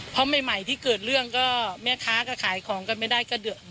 เพราะใหม่ที่เกิดเรื่องก็แม่ค้าก็ขายของกันไม่ได้ก็เดือด